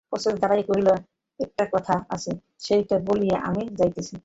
পশ্চাতে দাঁড়াইয়া কহিল, একটা কথা আছে, সেইটে বলিয়াই আমি যাইতেছি।